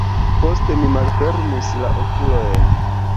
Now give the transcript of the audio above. Poste mi malfermis la okulojn.